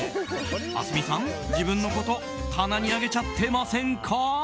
ますみさん、自分のこと棚に上げちゃってませんか？